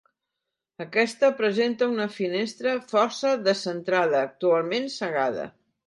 Aquest presenta una finestra força descentrada, actualment cegada.